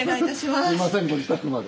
すみませんご自宅まで。